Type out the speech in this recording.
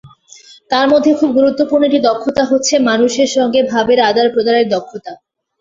তার মধ্যে খুব গুরুত্বপূর্ণ একটি দক্ষতা হচ্ছে মানুষের সঙ্গে ভাবের আদান-প্রদানের দক্ষতা।